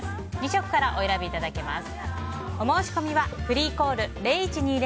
２色からお選びいただけます。